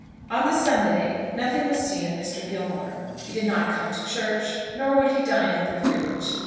On the Sunday nothing was seen of Mr. Gilmore. He did not come to church, nor would he dine at the Vicarage.